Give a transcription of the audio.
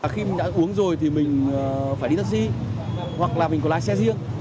khi mình đã uống rồi thì mình phải đi taxi hoặc là mình có lái xe riêng